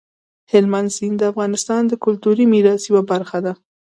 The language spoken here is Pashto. هلمند سیند د افغانستان د کلتوري میراث یوه برخه ده.